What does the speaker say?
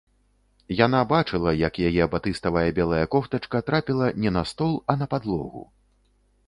Яна бачыла, як яе батыставая белая кофтачка трапіла не на стол, а на падлогу.